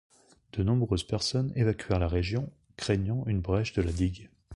De nombreuses personnes évacuèrent la région, craignant une brèche de la digue.